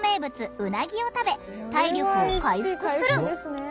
うなぎを食べ体力を回復する！